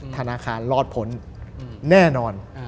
ธนาคารรอดผลแน่นอน